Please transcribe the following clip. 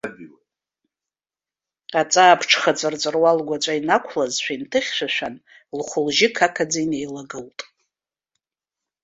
Аҵаа ԥҽха ҵәырҵәыруа лгәаҵәа инақәлазшәа инҭыхьшәашәан, лхәы-лжьы қақаӡа инеилагылт.